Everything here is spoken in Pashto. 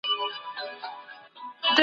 په اسلامي نظام کي هر څوک خوندي دی.